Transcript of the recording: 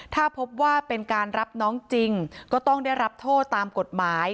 ถ้าพบว่าเป็นการรับน้องจริงก็ต้องได้รับโทษตามกฎหมาย